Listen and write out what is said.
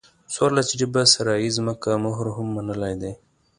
څوارلس جریبه صحرایي ځمکې مهر هم منلی دی.